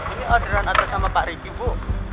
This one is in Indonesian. ini orderan order sama pak ricky bu